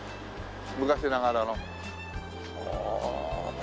昔ながらの。